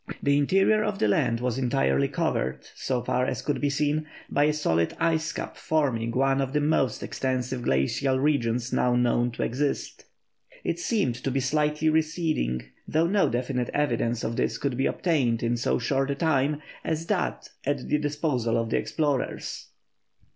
The interior of the land was entirely covered, so far as could be seen, by a solid ice cap forming one of the most extensive glacial regions now known to exist. It seemed to be slightly receding, though no definite evidence of this could be obtained in so short a time as that at the disposal of the explorers.